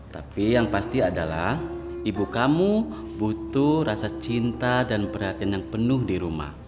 tapi yang pasti adalah ibu kamu butuh rasa cinta dan perhatian yang penuh di rumah